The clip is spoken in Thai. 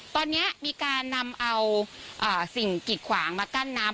ตอนนี้มีการนำเอาสิ่งกิดขวางมากั้นน้ำ